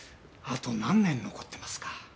あと何年残ってますか？